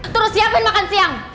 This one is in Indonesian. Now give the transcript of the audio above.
terus siapin makan siang